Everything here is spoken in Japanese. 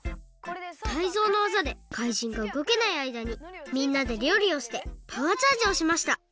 タイゾウのわざでかいじんがうごけないあいだにみんなでりょうりをしてパワーチャージをしました！